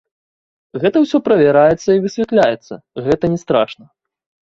Гэта ўсё правяраецца і высвятляецца, гэта не страшна.